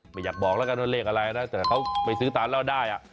ไม่อยากบอกแล้วกันว่าเลขอะไรนะแต่เขาไปซื้อตามเล่าได้อ่ะ